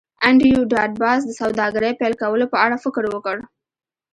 انډریو ډاټ باس د سوداګرۍ پیل کولو په اړه فکر وکړ